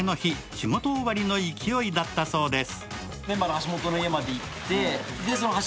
仕事終わりの勢いだったそうです。